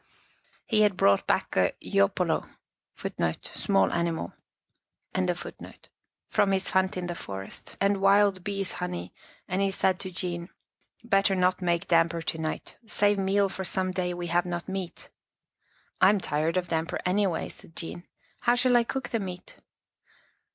He had brought back a yopolo 1 from his hunt in the forest, and wild bee's honey, and he said to Jean, " Better not make damper to night. Save meal for some day we have not meat. ,," I am tired of damper anyway," said Jean. " How shall I cook the meat?